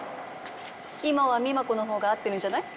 「今は美摩子のほうがあってるんじゃない？」